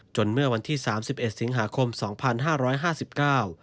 จนเมื่อวันที่๓๑สิงหาคมสองพันห้าร้อยห้าสิบเก้า